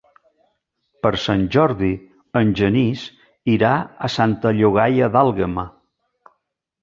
Per Sant Jordi en Genís irà a Santa Llogaia d'Àlguema.